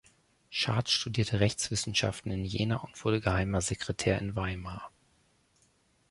Schardt studierte Rechtswissenschaften in Jena und wurde Geheimer Sekretär in Weimar.